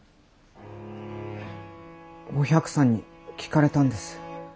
お百さんに聞かれたんです。